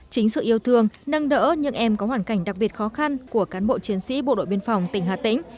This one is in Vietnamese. chính sự yêu thương nâng đỡ những em có hoàn cảnh đặc biệt khó khăn của cán bộ chiến sĩ bộ đội biên phòng tỉnh hà tĩnh